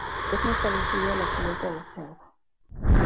Es muy parecido a la chuleta de cerdo.